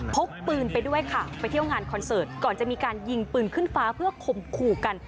พกปืนไปด้วยค่ะไปเที่ยวงานคอนเสิร์ตก่อนจะมีการยิงปืนขึ้นฟ้าเพื่อข่มขู่กัน